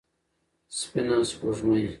سپينه سپوږمۍ